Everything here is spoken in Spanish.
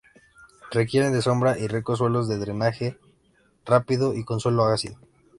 Requieren de sombra y ricos suelos con drenaje rápido y con suelo ácido.